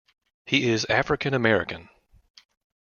He is African-American.